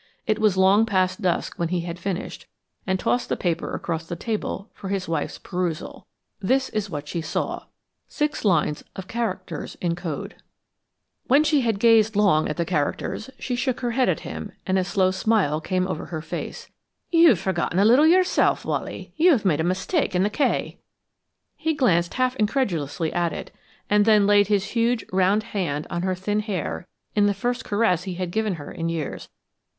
It was long past dusk when he had finished, and tossed the paper across the table for his wife's perusal. This is what she saw: [Illustration: An image of a coded message is shown here in the text.] When she had gazed long at the characters, she shook her head at him, and a slow smile came over her face. "You've forgotten a little yourself, Wally. You made a mistake in the k." He glanced half incredulously at it, and then laid his huge, rough hand on her thin hair in the first caress he had given her in years.